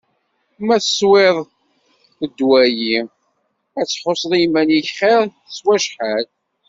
Ma teswiḍ ddwa-yi, ad tḥusseḍ iman-ik xir s wacḥal.